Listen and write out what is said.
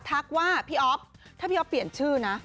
ทักว่าพี่อ๊อฟถ้าพี่อ๊อฟเปลี่ยนชื่อนะ